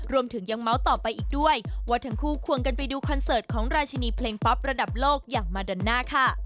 รวมถึงยังเมาส์ต่อไปอีกด้วยว่าทั้งคู่ควงกันไปดูคอนเสิร์ตของราชินีเพลงป๊อประดับโลกอย่างมาดันน่าค่ะ